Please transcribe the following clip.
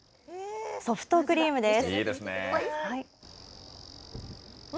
ソフトクリームです。